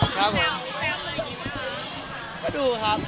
ก็ดูครับ